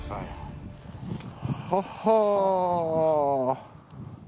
はっはぁ。